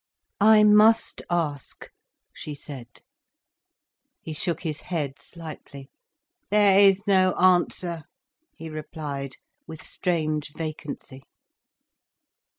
"I must ask," she said. He shook his head slightly. "There is no answer," he replied, with strange vacancy.